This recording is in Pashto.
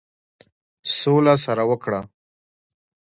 سوله سره وکړه.